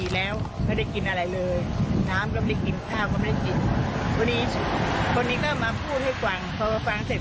แล้วก็มีเด็กกับแม่กับเด็ก